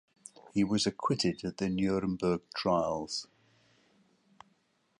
He was acquitted at the Nuremberg trials.